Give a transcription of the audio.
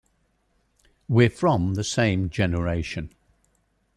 We're from the same generation.